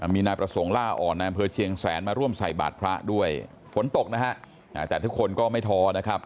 มีนายประสงค์ล่าอ่อนในอำเภอเชียงแสนมาร่วมใส่บาทพระด้วยฝนตกนะฮะแต่ทุกคนก็ไม่ท้อนะครับ